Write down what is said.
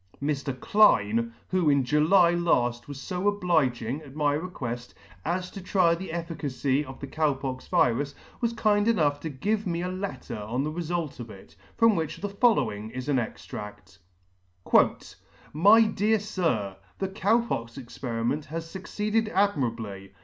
>28 ] Mr. Cline, who in July laft was fo obliging, at my requeft, as to try the efficacy of the Cow pox virus, was kind enough to give me a letter on the refult of it, from which the following is an extract :♦" My Dear Sir, " The Cow pox experiment has fucceeded admirably.